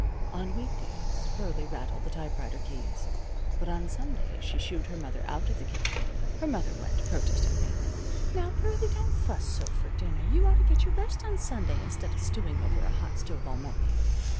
On week days Pearlie rattled the typewriter keys, but on Sundays she shooed her mother out of the kitchen. Her mother went, protesting faintly: "Now, Pearlie, don't fuss so for dinner. You ought to get your rest on Sunday instead of stewing over a hot stove all morning."